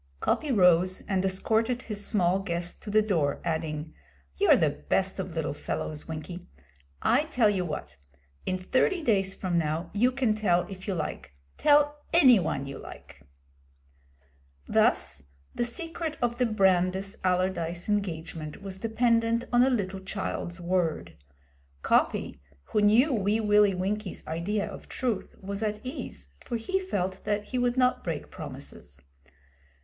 Coppy rose and escorted his small guest to the door, adding 'You're the best of little fellows, Winkie. I tell you what. In thirty days from now you can tell if you like tell any one you like.' Thus the secret of the Brandis Allardyce engagement was dependent on a little child's word. Coppy, who knew Wee Willie Winkie's idea of truth, was at ease, for he felt that he would not break promises.